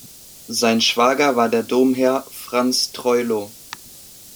Sein Schwager war der Domherr Franz Troilo.